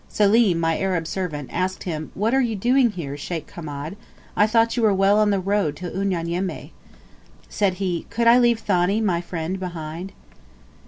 Selim, my Arab servant, asked him, "What are you doing here, Sheikh Hamed? I thought you were well on the road to Unyanyembe." Said he, "Could I leave Thani, my friend, behind?"